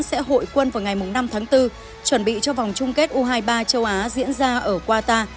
sẽ hội quân vào ngày năm tháng bốn chuẩn bị cho vòng chung kết u hai mươi ba châu á diễn ra ở qatar